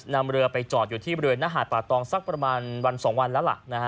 นำเรือไปจอดอยู่ที่บริเวณหน้าหาดป่าตองสักประมาณวัน๒วันแล้วล่ะ